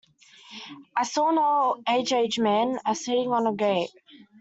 I saw an aged aged man, a-sitting on a gate.